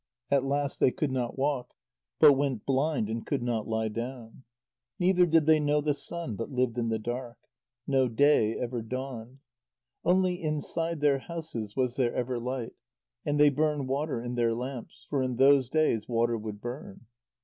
At last they could not walk, but went blind, and could not lie down. Neither did they know the sun, but lived in the dark. No day ever dawned. Only inside their houses was there ever light, and they burned water in their lamps, for in those days water would burn.